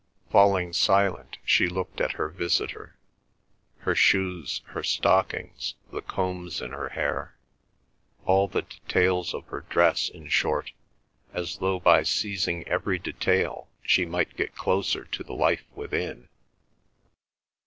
Falling silent she looked at her visitor, her shoes, her stockings, the combs in her hair, all the details of her dress in short, as though by seizing every detail she might get closer to the life within.